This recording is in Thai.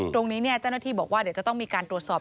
ตรงนี้เจ้าหน้าที่บอกว่าเดี๋ยวจะต้องมีการตรวจสอบ